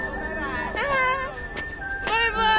バイバイ！